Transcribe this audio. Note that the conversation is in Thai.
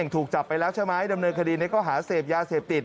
ถูกจับไปแล้วใช่ไหมดำเนินคดีในข้อหาเสพยาเสพติด